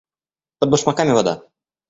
Под башмаками вода.